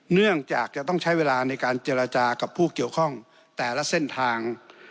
เนื่องจากจะต้องใช้เวลาในการเจรจากับผู้เกี่ยวข้องแต่ละเส้นทาง